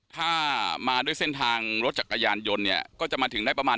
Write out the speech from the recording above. ถ้ามาด้วยเส้นทางรถจักรยานยนต์เนี่ยก็จะมาถึงได้ประมาณ